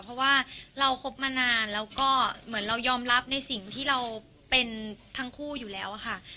เพราะว่าเราคบมานานแล้วก็เหมือนเรายอมรับในสิ่งที่เราเป็นทั้งคู่อยู่แล้วค่ะ